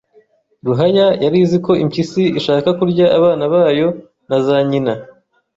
Ruhaya yari izi ko impyisi ishaka kurya abana bayo na za nyina